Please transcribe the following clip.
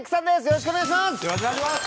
よろしくお願いします！